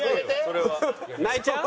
これ泣いちゃう。